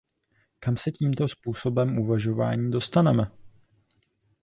Kam se s tímto způsobem uvažování dostaneme?